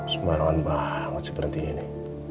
semarangan banget si berhenti ini